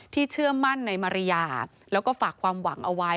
เชื่อมั่นในมาริยาแล้วก็ฝากความหวังเอาไว้